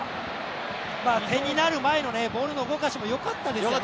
点になる前のボールの動かしもよかったですよね。